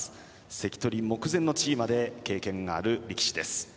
関取目前の地位まで経験がある力士です。